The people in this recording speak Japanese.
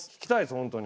本当に。